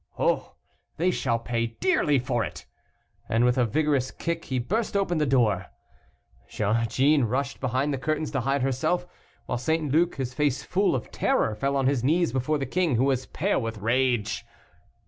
Oh! they shall pay dearly for it!". And with a vigorous kick he burst open the door. Jeanne rushed behind the curtains to hide herself, while St. Luc, his face full of terror, fell on his knees before the king, who was pale with rage.